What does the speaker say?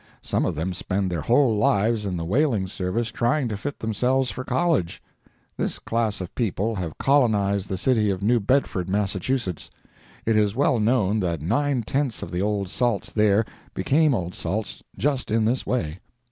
Some of them spend their whole lives in the whaling service trying to fit themselves for college. This class of people have colonized the City of New Bedford, Mass. It is well known that nine tenths of the old salts there became old salts just in this way.